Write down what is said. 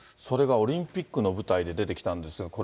それがオリンピックの舞台で出てきたんですよ。